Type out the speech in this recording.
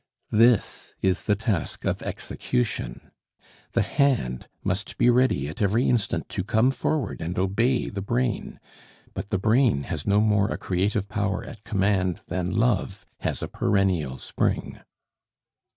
This is the task of execution. The hand must be ready at every instant to come forward and obey the brain. But the brain has no more a creative power at command than love has a perennial spring.